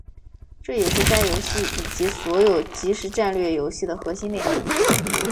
这也是该游戏以及所有即时战略游戏的核心内容。